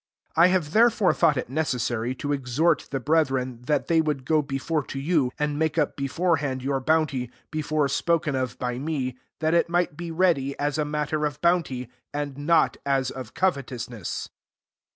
5 I hare therefore thought it necessiry to exhort the brethren, that they would go before to you, and make up beforehand yosr bounty, before spoken of ^ nuy that it might be ready, as a matter ^bounty, and not as (f covetousness.